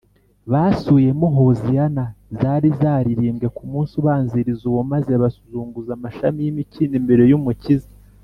basubiyemo hoziyana zari zaririmbwe ku munsi ubanziriza uwo, maze bazunguza amashami y’imikindo imbere y’umukiza